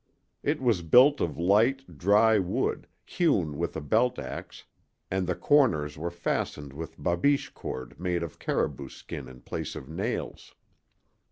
It was built of light, dry wood, hewn with a belt ax, and the corners were fastened with babiche cord made of caribou skin in place of nails.